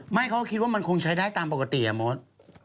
ไม่เค้าคิดว่ามันคงใช้ได้ตามปกตินะโมจ